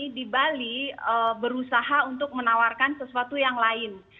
kami di bali berusaha untuk menawarkan sesuatu yang lain